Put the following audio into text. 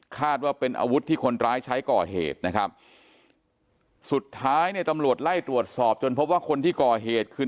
ว่าเป็นอาวุธที่คนร้ายใช้ก่อเหตุนะครับสุดท้ายเนี่ยตำรวจไล่ตรวจสอบจนพบว่าคนที่ก่อเหตุคือ